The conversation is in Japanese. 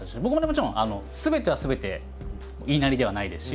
もちろんすべてがすべて言いなりではないですし